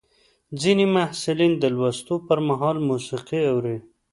ځینې محصلین د لوستلو پر مهال موسیقي اوري.